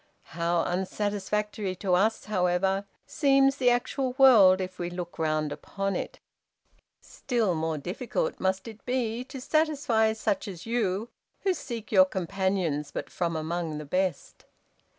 How unsatisfactory to us, however, seems the actual world if we look round upon it. Still more difficult must it be to satisfy such as you who seek your companions but from among the best!